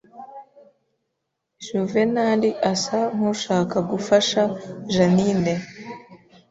Juvenali asa nkushaka gufasha Jeaninne